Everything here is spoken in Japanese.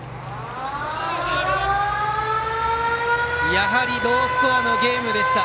やはりロースコアのゲームでした。